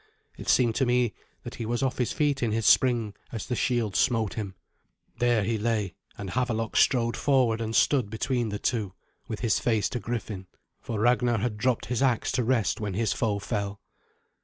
It seemed to me that he was off his feet in his spring as the shield smote him. There he lay, and Havelok strode forward and stood between the two, with his face to Griffin, for Ragnar had dropped his axe to rest when his foe fell.